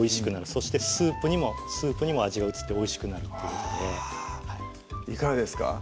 そしてスープにも味が移っておいしくなるということでいかがですか？